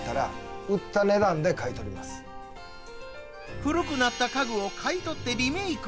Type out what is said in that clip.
古くなった家具を買い取ってリメイク。